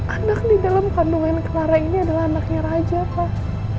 anak di dalam kandungan kelara ini adalah anaknya raja kok